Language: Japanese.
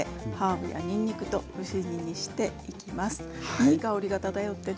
いい香りが漂ってね